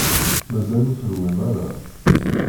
Mazal ur teṛwim ara?